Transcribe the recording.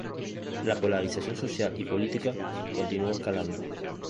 La polarización social y política continuó escalando.